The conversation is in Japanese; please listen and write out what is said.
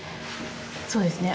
そうですね。